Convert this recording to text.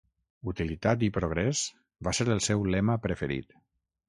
"Utilitat i progrés" va ser el seu lema preferit.